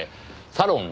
サロン